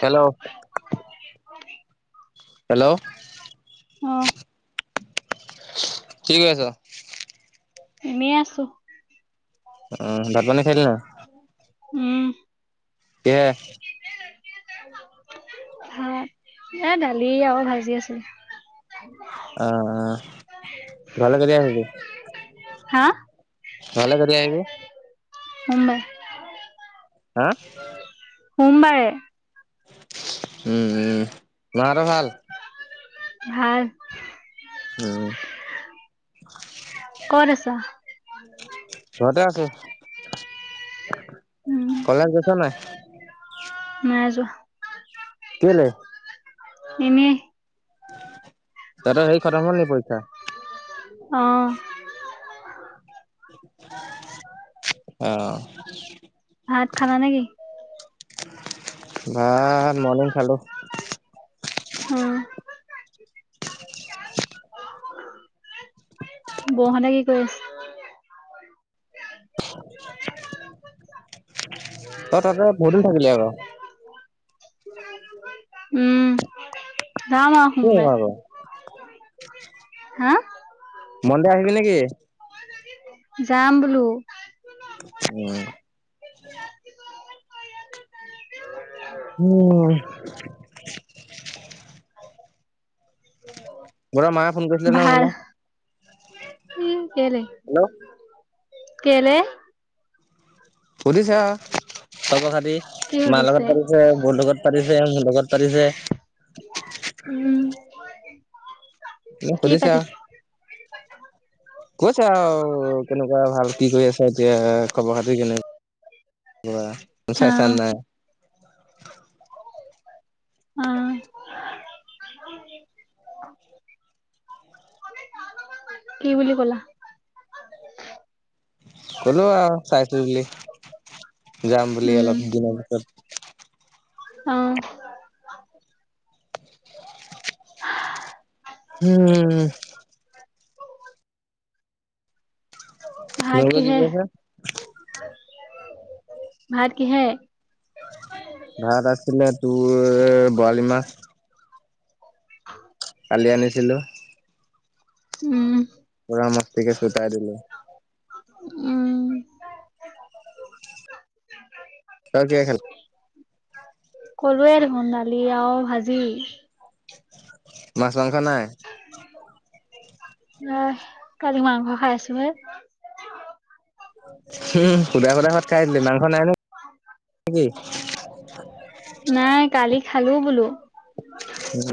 Hello hello অ কি কৰি আছ। এনেই আছো? ভাত পানী খালি নাই? উম এ ভাত এ দালি আৰু ভাজি আছিল? অ অ ঘৰলে কেতিয়া আহিবি হা ঘৰলে কেতিয়া আহিবি? মুম্বাই। হা মুম্বাই? উম উম মাহত ভাল। ভাল। উম কতআছা? ঘতে আছো? উম কলেজ গৈছ নাই? নাই যোৱা? কেলে। ইনেই। তাৰ সেই খৰত হল নি পইচা। অহ অই অহ ভাত খালা নেকি ভাত মৰ্ণিং খালো উম বহনে কি কৰি আছে তই তাতে বহুত দিন থাকিলে আক উম, যাম আৰু আকৌ। সোমবাৰে হা মন্দে আহিবি নেকি যাম বোলো উম উম ঘৰ মা ফোন কৰিছিলে নহই মোলে উম কেলে হেল্ল' কেলে সুধিছো চা খবৰ খাতি কি মা লগত সুধিছে? পাতিছা বৌ লগত পাতিছে যেমোৰ লগত পাতিছে [inaudible] উম, হেল্ল কি সুধিছে আও পাতিছে? কৈছে আৰু কেনেকুৱা ভাল কি কৰি আছে কি কৰি আছে এতিয়া খবৰ খাতি কেনেকুৱা চাই চা অ', নাই অ'। কি বুলি ক'লা কলো আৰু চাইছো বুলি যাম বুলি উম, অলপ দিনৰ পিছত অ'। উম ভাত নগ জীৱ কিহে? কা [unintelligible] ভাত কিহে ভাত আছিলে তোৰ বৰালি মাহ কালি আনিছিলো উম, পোৰা মস্তিকে চুতাই দিলো উম। তই কিহে খালা কলোৱে দেখোন দালি আৰু ভাজি মাছ মাংস নাই অ কালি মাংস খাই আছো হে উম সুধা সুধা ভাত খাই দিলি মাংস নাই নে নেকি নাই কালি খালো বোলো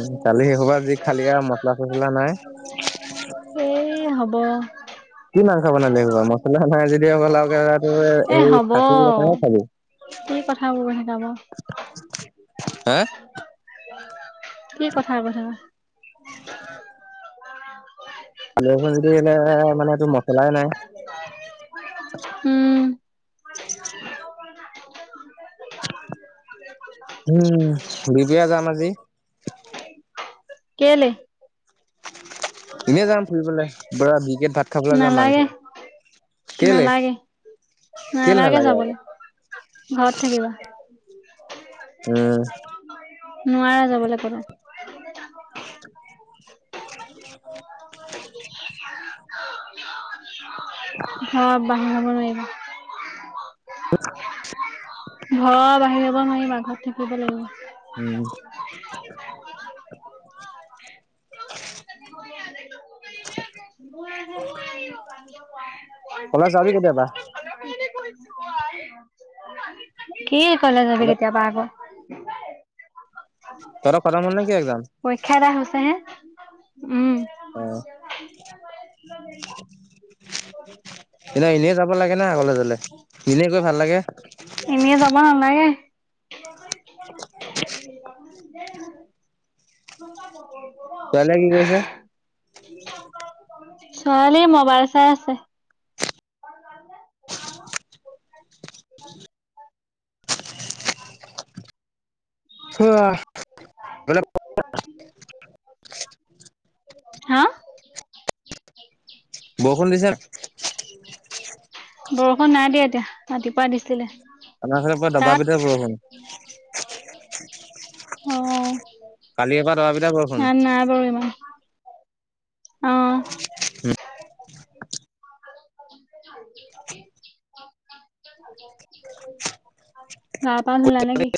উম কালি শেইহোপা যি খালি আৰু মচলা চচলা নাই কি হ'ব? কি মাংস বনালি এইসোপা? মছলা নাই যদি আৰু [unintelligible] এ সেই হব খাচী কেনেকে খাবি? কি কথাবোৰ শিকাব হা কি কথা বথা আনিবলৈ তো নাই এই মানে মচলাই নাই। উম উ [inaudible] উম বিগেয়া যাম আজি কেলে? এনেই যাম ফুৰিবলৈ, পুৰা বিকে ভাত খাবলৈ যাম মাংস। নালাগে, কেলে নালাগে, নালাগে যাবলৈ ঘৰত থাকিবা। উম নোৱাৰা যাবলৈ কতো। যাব নোৱাৰিবা। [unintelligible] ঘৰ বাহিৰ হ'ব নোৱাৰিবা, ঘৰত থাকিব লাগিব। উম অওক [unintelligible] কলেজ যাবি কেতিয়াবা? উম [unintelligible] কি কলেজ যাবি কেতিয়াবা আকৌ? কি? [unintelligible] তেহেতৰ খতম হ'ল নেকি? পৰীক্ষা এটা হৈছে হে উম। অ [unintelligible] এনে এনেই যাব লাগে নে আগলে গ'লে, এনেই গৈ ভাল লাগে। এনেই যাব নালাগে [unintelligible] [unintelligible] ছোৱালীয়ে কি কৰিছে? ছোৱালী মোবাইল চাই আছে। অ ব [unintelligible] হা বৰষুণ দিছে নে? বৰষুণ নাই দিয়া এতিয়া। ৰাতিপুৱা দিছিলে। আমাৰ ফালে পুৰা দবা তাত পিতা বৰষুণ। অ কালি এবাৰ দবা পিতা ইয়াত নাই বাৰু ইমান। অহ ইয়াত পানলা নে কি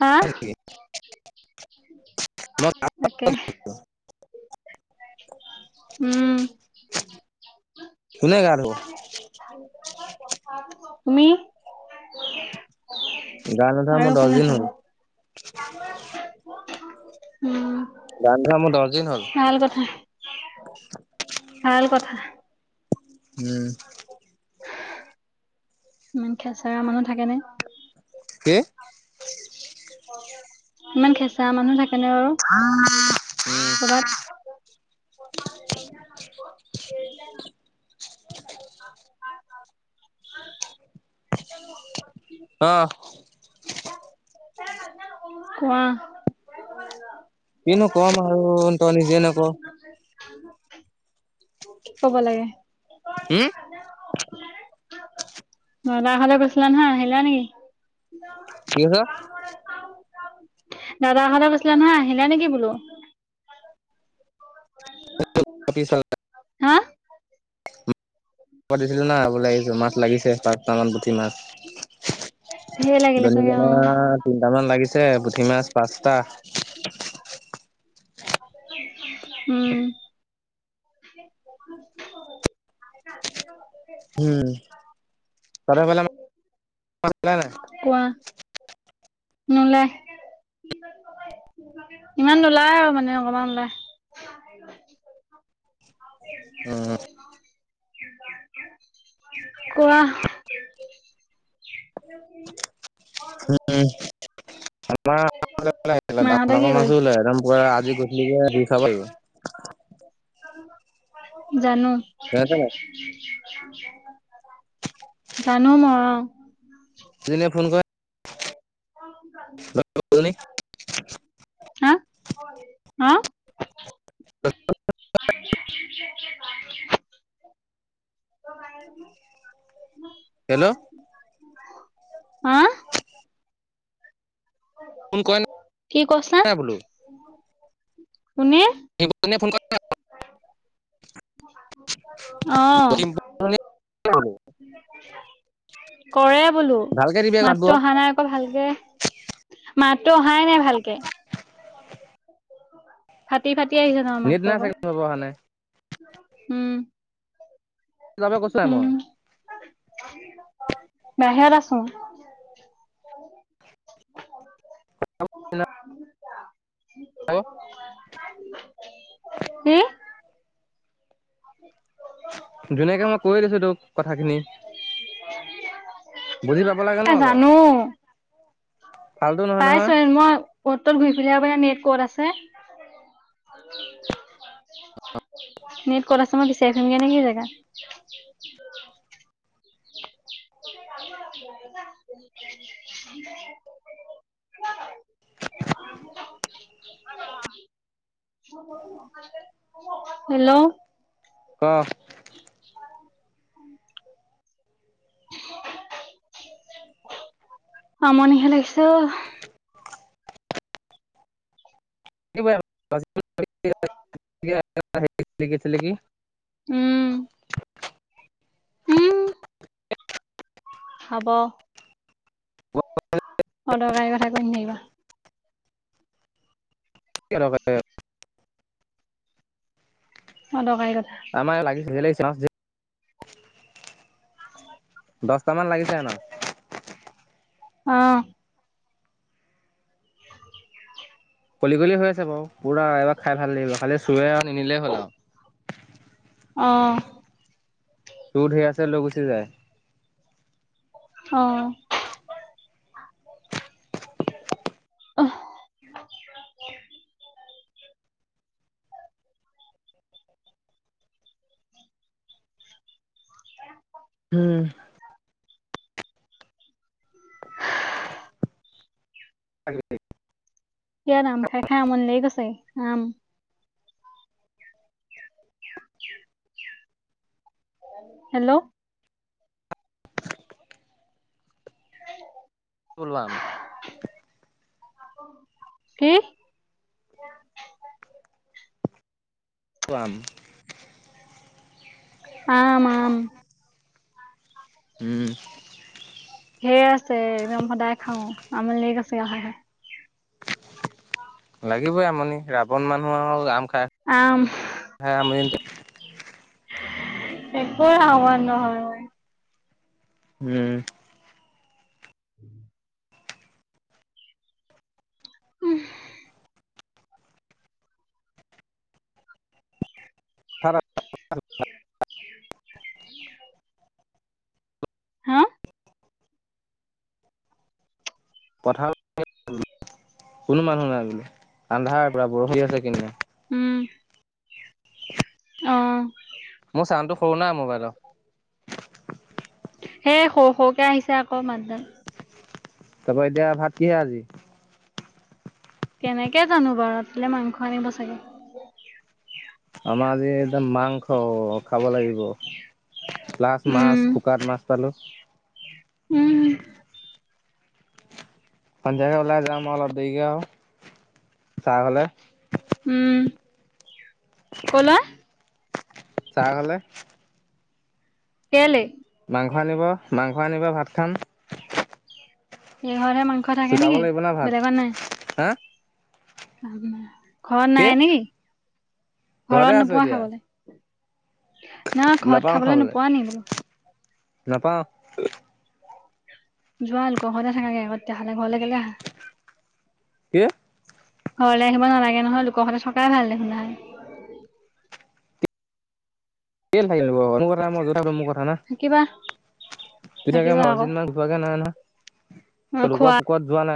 হা অ তাকে উম এনেই আৰু তুমি গা নোধোৱা আৰু মোৰ দহ কোনে দিন থব হল [inaudible] উম গা নোধোৱা মোৰ দহ দিন হ' ভাল কথা ভাল কথা [inaudible] উম ইমান খেচৰা মানুহ থাকে নে কি ইমান খেঁচা মানুহ থাকে তেনে আৰু কৰ'বাত অহ কোৱা কি নো কম আৰু ত নিজে ন ক ক'ব লাগে হ দাদা ঘলে গৈছিলা নহয় আহিলা নেকি ঠিক আছে দাদাৰ ঘৰলে গৈছিলে নহয় আহিলে নেকি বোলো হা দিছিলো নি মাছ লাগিছে পচটামান পুঠি মাছ ধেৰ লাগিলে দনি চাগে কণা অ তিনি কেইটামান লাগিছে পুঠি মাছ পাঁচটা উম। উম চ বেল নাই কোৱা নোলাই ইমান নোলায় আৰু মানে অকণমান ওলায় উম কোৱা উম আ ডাৰ মাহঁতে ডাঙৰ কি মাছ কৰিছে? ওলাই একদম পুৰা আজি গধূলি কে শ খা পাৰিব জানো কছে ন উ জানো মই তন ফোন কৰে [unintelligible] হা হা [unintelligible] হেল্ল' হা ফোন কই ন কি কৈছা? কোনে? কোনে ফোন অ কৰি [unintelligible] ক কৰে বোলো মাতটো মাতবোৰত অহা নাই আকৌ ভালকে মাতটো অহাই নাই ভালকে। [unintelligible] ফাটি ফাটি আহিছে তোমাৰ নেট নাই মাতটোৰ চাগে নেটৱৰ্কৰ কাৰণে আকৌ, উম। তাপে কৈছাই মই উম বাহিৰত আছো। হেল্ল'। কি? ধুনীয়াকে মই কৈ দিছো তোক কথাখিনি বুজি পাব লাগে ন এ অলপ জানো। ফাল্টু নহয় পাইছ নহয় মই অতত ঘূৰি ফু সুদিব পু নেট কত আছে? নেট কত আছে মই বিচাৰি সুংগে নেকি জেগা? [unintelligible] হেল্ল' ক আমনি হে লাগিছে অহ। ছেলেকি ছেলেকি? উম। [unintelligible] উম হব। [unintelligible] অদৰকাৰী কথা কৈ ন থাকিবা। কি অদকাৰি? অদকাৰি। আমাৰ এ ধেৰ লাগিছে। চ যে [inaudible] দছটামান লাগিছে ন? অহ [unintelligible] কলি কলি হৈ আছে বাৰু পুৰা এবাৰ খাই ভাল লাগিব খালি চুৰে আৰু নিনিলেই হ'ল আৰু অঁ চুৰ সেই আছে লৈ গুচি যায়। অ অহ হয় উম [unintelligible] [unintelligible] কিয় আম খাই খাই আমনি লাগি গৈছে আম [inaudible] হেল্ল' লাম কি আম আম আম হম ধেৰ আছে একদম সদায় খাও আমনি লাগি গৈছে খাই খাই লাগিবই আমনি ৰাৱণ মানুহ আৰু আম খ আম হ আমট [unintelligible] একো হাৱোৱা নহয় ম উম উম উম খ [unintelligible] [inaudible] হা পথাৰ কোনো মানুহ নাই বোলে আন্ধাৰ পৰা বৰষুণ দি আছে কিন কিনীয়া আহ মোৰ চাউণ্ডটো সৰু ন মোবাইল সেই সৰু সৰুকে আহিছে আকৌ মাত দে তাৰপা এতিয়া ভাত কিহে আজি কেনেকে জানো বাৰু ৰাতিলে মাংস আনিব চাগে আমাৰ আজি একদম মাংস খাব লাগিব ল্লাছ মাছ উম শুকাত মাছ পালোঁ উম হ সন্ধিয়াকে ওলাই যাম অলপ দেৰিকে আৰু চাহ হলে উম কলা চাৰ ঘলে কেলে মাংস আনিব মাংস আনিব ভাতখন উম বাহৰ মাংস থাকে চুটাব নেকি লাগিব না ভাত বেলেগৰ নাই হা আৰু ন ঘৰ কি নাই নেকি ঘৰতে ঘৰত আছো নোপোৱা এতিয়া খাবলে? না ঘৰত খাবলৈ নোপোৱা নাই বুলো? নাপাওঁ যোৱালোকৰ ঘৰতে থাকাগে আক তেতিয়াহলে ঘৰলে কেলে আহা? কি? ঘৰলে আহিব নালাগে নহয় লোকৰ ঘৰতে থকাই ভাল দেখোন কেদিন থাকিলো বাৰু মানুহ যৰত মই যত থাকো মোৰ কথা না থাকিবা এতিয়া কে থাকিবা মই দহ আকৌ দিন মান নোখোৱকে থকা নাই নহয় ত লোকৰ খোৱা পোকত যোৱা নাই